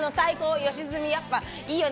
良純、やっぱいいよね！